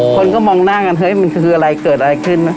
คนก็มองหน้ากันเฮ้ยมันคืออะไรเกิดอะไรขึ้นนะ